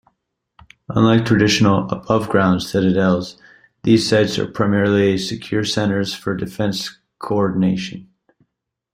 Unlike traditional above-ground citadels, these sites are primarily secure centres for defence co-ordination.